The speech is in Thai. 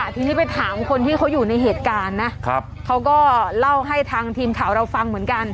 ทีนี้ไปถามคนที่เขาอยู่ในเหตุการณ์นะเขาก็เล่าให้ทางทีมข่าวเราฟังเหมือนกัน